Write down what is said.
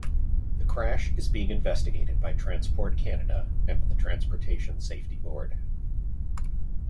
The crash is being investigated by Transport Canada and the Transportation Safety Board.